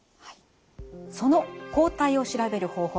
その抗体を調べる方法